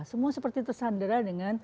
semua seperti tersandara dengan